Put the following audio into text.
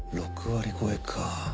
６割超えか。